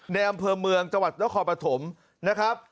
ในอำเภอเมืองจังหวัดนครปฐมนะครับ